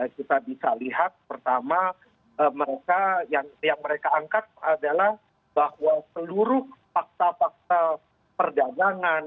kita bisa lihat pertama mereka yang mereka angkat adalah bahwa seluruh fakta fakta perdagangan